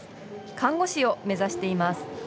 看護師を目指しています。